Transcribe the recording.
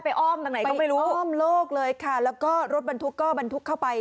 อ้อมตรงไหนก็ไม่รู้อ้อมโลกเลยค่ะแล้วก็รถบรรทุกก็บรรทุกเข้าไป